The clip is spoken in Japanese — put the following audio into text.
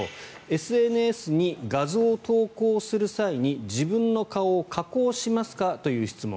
ＳＮＳに画像を投稿する際に自分の顔を加工しますかという質問